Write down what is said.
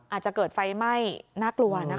อาจจะเกิดไฟไหม้น่ากลัวนะคะ